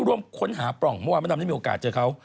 ร่วมค้นหาปล่องเมื่อวานมะดำได้มีโอกาสเจอเขา